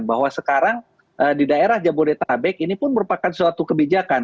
bahwa sekarang di daerah jabodetabek ini pun merupakan suatu kebijakan